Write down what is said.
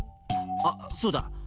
あそうだ。